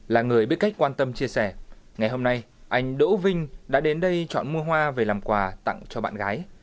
là người biết cách quan tâm chia sẻ ngày hôm nay anh đỗ vinh đã đến đây chọn mua hoa về làm quà tặng cho bạn gái